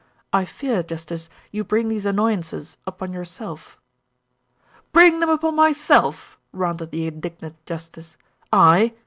"I fear, Justice, you bring these annoyances upon yourself." "Bring them upon myself!" ranted the indignant justice. "I?